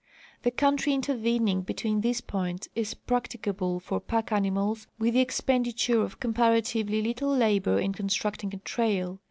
The country intervening between these points is practicable for pack animals with the expenditure of comparatively little labor in constructing a trail.